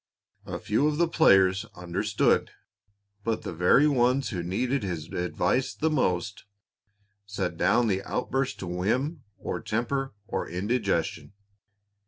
A few of the players understood, but the very ones who needed his advice the most set down the outburst to whim or temper or indigestion.